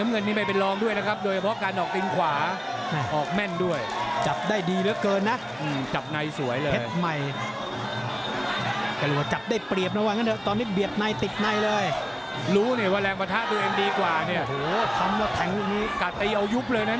รู้นี่ว่าแรงประท่าตัวเองดีกว่าเนี่ย